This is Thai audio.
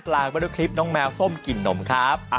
ลายมาด้วยคลิปน้องแมวส้มกลิ่นนมครับ